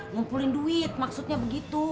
ngumpulin duit maksudnya begitu